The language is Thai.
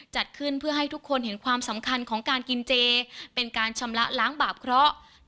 จัดขึ้นเพื่อให้ทุกคนเห็นความสำคัญของการกินเจเป็นการชำระล้างบาปเคราะห์